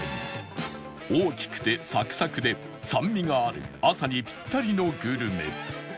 大きくてサクサクで酸味がある朝にピッタリのグルメ